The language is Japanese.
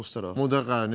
だからね